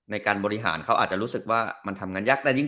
ในการบริหารเขาอาจจะรู้สึกว่ามันทำงานยากได้ยิ่ง